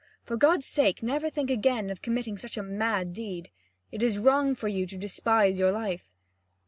For God's sake, never think again of committing such a mad deed. It is wrong for you to despise your life."